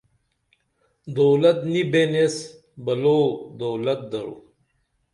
دولت نی بین ایس بلو دولت درو